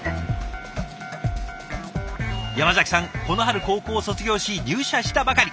山崎さんこの春高校を卒業し入社したばかり。